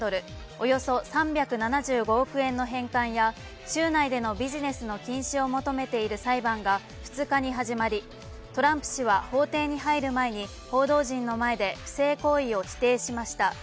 およそ３７５億円の返還や州内でのビジネスの禁止を求めている裁判が２日に始まりトランプ氏は法廷に入る前に報道陣の前で不正行為を否定しました。